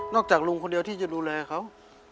จากลุงคนเดียวที่จะดูแลเขา